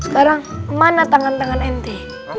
sekarang mana tangan tangan enti